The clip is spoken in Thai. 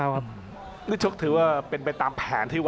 อัศวินาศาสตร์